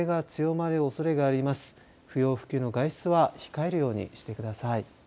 不要不急の外出は控えるようにしてください。